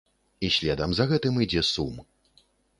І следам за гэтым ідзе сум.